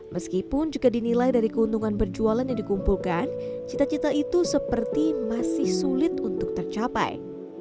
meskipun juga dinilai dari keuntungan berjualan yang dikumpulkan cita cita itu seperti masih sulit untuk tercapai